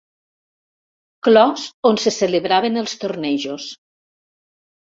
Clos on se celebraven els tornejos.